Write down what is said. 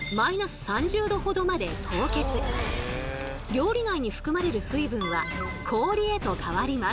料理内に含まれる水分は氷へと変わります。